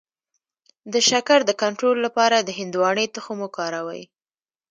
د شکر د کنټرول لپاره د هندواڼې تخم وکاروئ